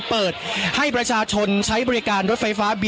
เดี๋ยวฟังบริกาศสักครู่นะครับคุณผู้ชมครับ